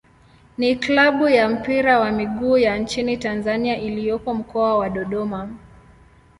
ni klabu ya mpira wa miguu ya nchini Tanzania iliyopo Mkoa wa Dodoma.